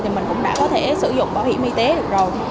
thì mình cũng đã có thể sử dụng bảo hiểm y tế được rồi